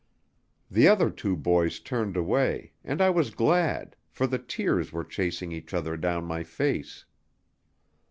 The other two boys turned away, and I was glad, for the tears were chasing each other down my face.